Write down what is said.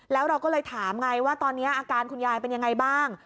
แล้วเราก็เลยถามไงว่าตอนนี้อาการคุณยายเป็นยังไงบ้าง